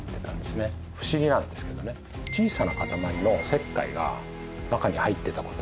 小さな塊の石灰が中に入ってたこと。